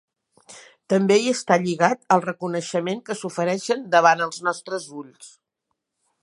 També hi està lligat al reconeixement que s'ofereix davant dels nostres ulls.